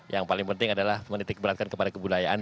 yang paling penting adalah menitik beratkan kepada kebudayaan